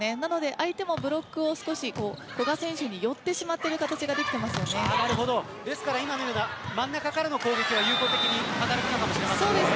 相手のブロックが少し古賀選手に寄ってしまっている形がですから今のような真ん中からの攻撃は友好的に働くかもしれませんね。